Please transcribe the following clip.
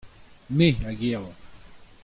me a gelc'h.